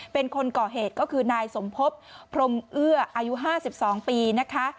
เป็นคนก่อเหตุก็คือนายสมพบพรมเอื้ออายุ๕๒ปีนะคะ